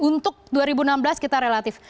untuk dua ribu enam belas kita relatif